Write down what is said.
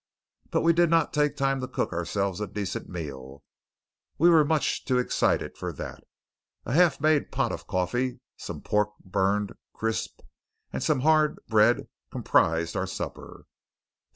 But we did not take time to cook ourselves a decent meal; we were much too excited for that. A half made pot of coffee, some pork burned crisp, and some hard bread comprised our supper.